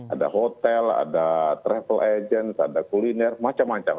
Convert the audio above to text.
ada hotel ada travel agents ada kuliner macam macam